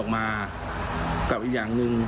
มากับอีกอย่างหนึ่ง